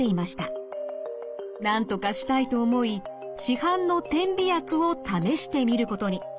なんとかしたいと思い市販の点鼻薬を試してみることに。